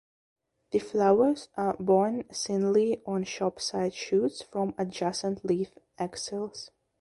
The flowers are borne singly on short side shoots from adjacent leaf axils.